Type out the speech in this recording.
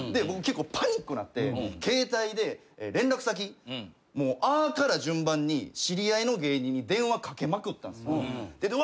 僕結構パニックになって携帯で連絡先「あ」から順番に知り合いの芸人に電話かけまくったんすよ。